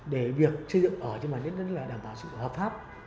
để việc chế dựng ở trên mảnh đất đảm bảo sự hợp pháp